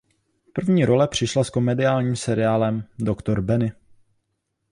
První role přišla s komediálním seriálem "Doktor Benny".